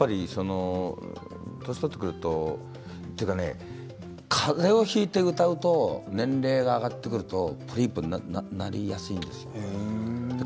年を取ってくるとというかかぜをひいていて歌うと、年齢が上がってくるとポリープになりやすいんですよ。